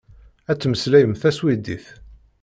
Ad temmeslayem taswidit.